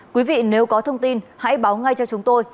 quý vị nếu có thông tin hãy báo ngay cho chúng tôi